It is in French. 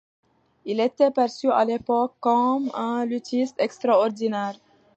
Il était perçu à l'époque comme un luthiste extraordinaire.